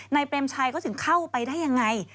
นายเปรมชัยก็ถึงเข้าไปได้อย่างไร